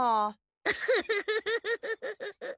ウフフフフッ。